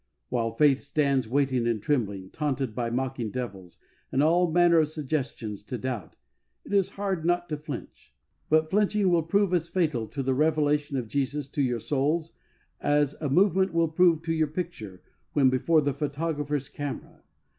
While Faith stands waiting and trembling, taunted by mocking devils and all manner of suggestions to doubt, it is hard not to flinch ; but flinching will prove as fatal to the revelation of Jesus to your souls as a movement will prove to your picture when before the photographer's camera.